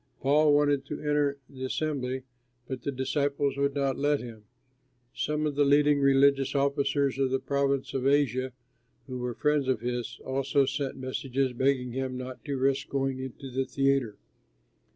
Paul wanted to enter the assembly, but the disciples would not let him. Some of the leading religious officers of the province of Asia, who were friends of his, also sent messages begging him not to risk going into the theatre.